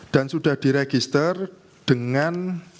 dan sudah diregister dengan